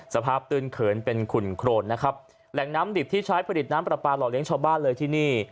ตื้นเขินเป็นขุ่นโครนนะครับแหล่งน้ำดิบที่ใช้ผลิตน้ำปลาปลาหล่อเลี้ยงชาวบ้านเลยที่นี่